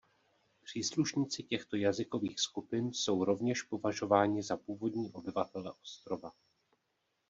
Příslušníci těchto jazykových skupin jsou rovněž považováni za původní obyvatele ostrova.